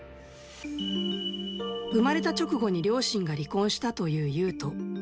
生まれた直後に両親が離婚したというユウト。